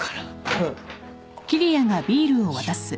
うん。